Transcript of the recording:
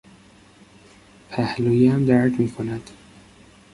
پهلویم درد میکند.